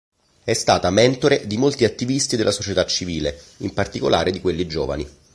È stata mentore di molti attivisti della società civile, in particolare di quelli giovani.